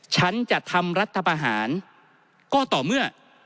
ฉันจะทำรัฐประหารก็ต่อเมื่อ